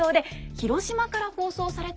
広島で放送された？